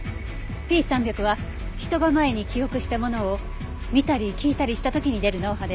Ｐ３００は人が前に記憶したものを見たり聞いたりした時に出る脳波です。